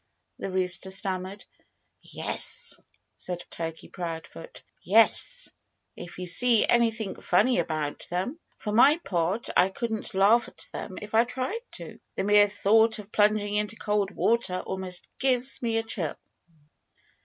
the rooster stammered. "Yes!" said Turkey Proudfoot. "Yes if you see anything funny about them. For my part, I couldn't laugh at them if I tried to. The mere thought of plunging into cold water almost gives me a chill."